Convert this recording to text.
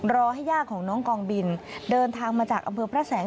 ให้ย่าของน้องกองบินเดินทางมาจากอำเภอพระแสง